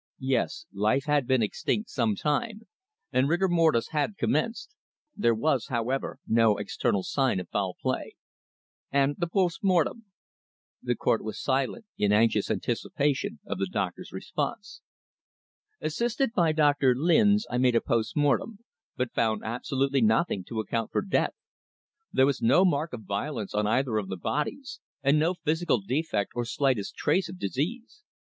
"Yes. Life had been extinct sometime, and rigor mortis had commenced. There was, however, no external sign of foul play." "And the post rnortem?" The Court was silent in anxious anticipation of the doctor's response. "Assisted by Doctor Lynes I made a post mortem, but found absolutely nothing to account for death. There was no mark of violence on either of the bodies, and no physical defect or slightest trace of disease.